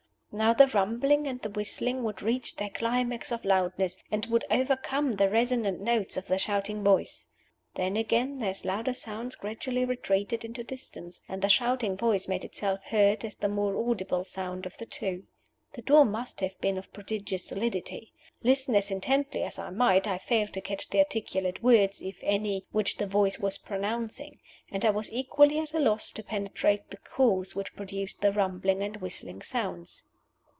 Now the rumbling and the whistling would reach their climax of loudness, and would overcome the resonant notes of the shouting voice. Then again those louder sounds gradually retreated into distance, and the shouting voice made itself heard as the more audible sound of the two. The door must have been of prodigious solidity. Listen as intently as I might, I failed to catch the articulate words (if any) which the voice was pronouncing, and I was equally at a loss to penetrate the cause which produced the rumbling and whistling sounds.